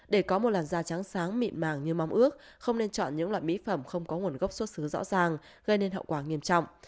để có một làn da trắng mị màng như mong ước không nên chọn những loại mỹ phẩm không có nguồn gốc xuất xứ rõ ràng gây nên hậu quả nghiêm trọng